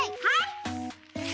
はい！